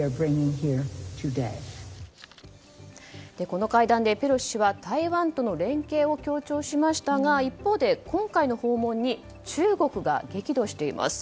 この会談で、ペロシ氏は台湾との連携を強調しましたが一方で、今回の訪問に中国が激怒しています。